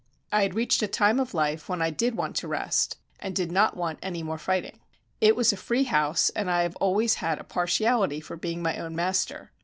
I had reached a time of life when I did want to rest and did not want any more fighting. It was a free house, and I have always had a partiality for being my own master.